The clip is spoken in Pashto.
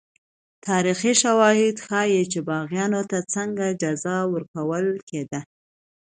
تاریخي شواهد ښيي چې باغیانو ته څنګه جزا ورکول کېده.